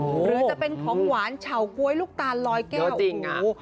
หรือจะเป็นของหวานเฉาก๊วยลูกตาลลอยแก้วโอ้โห